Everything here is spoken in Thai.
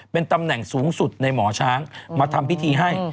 เป็นตำแหน่งสูงสุดในหมอช้างมาทำพิธีให้